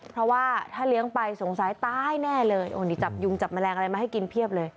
เพราะว่าถ้าเลี้ยงไปสงสัยตายแน่เลยโอ้นี่จับยุงจับแมลงอะไรมาให้กินเพียบเลย